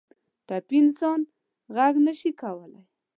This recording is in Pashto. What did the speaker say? ټپي انسان غږ نه شي کولی.